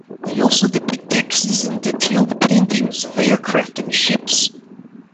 They also depict axes, and detailed paintings of aircraft and ships.